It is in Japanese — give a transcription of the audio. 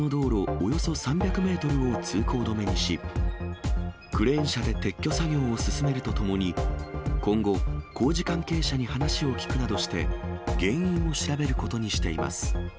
およそ３００メートルを通行止めにし、クレーン車で撤去作業を進めるとともに、今後、工事関係者に話を聴くなどして、原因を調べることにしています。